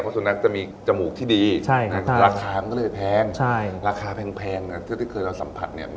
สุนัขจะมีจมูกที่ดีราคามันก็เลยแพงราคาแพงนะเท่าที่เคยเราสัมผัสเนี่ย